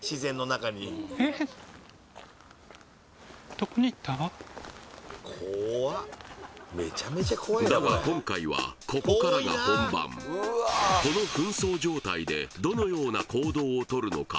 とりあえずだが今回はここからが本番この扮装状態でどのような行動をとるのか？